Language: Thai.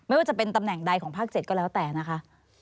ไม่ว่าจะเป็นตำแหน่งใดของภาค๗ก็แล้วแต่นะคะ